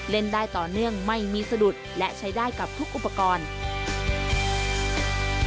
เล่นได้ต่อเนื่องไม่มีสะดุดและใช้ได้กับทุกอุปกรณ์